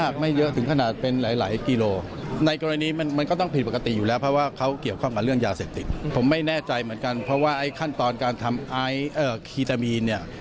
เขาเกี่ยวข้องกับเรื่องยาเสพติดผมไม่แน่ใจเหมือนกันเพราะว่าไอ้ขั้นตอนการทำไอฮีตามีนเนี่ย